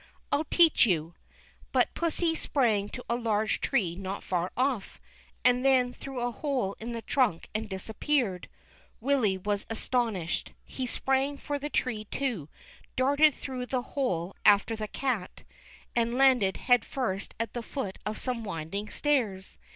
" I'll teach you !" But pussy sprang to a large tree not far off, and then through a hole in the trunk and disappeared. Willy was astonished. He sprang for the tree too, darted through the hole after the cat, and landed THE KING CAT, 357 head first at the foot of some winding stairs.